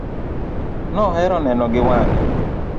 Nohero neno gi wange.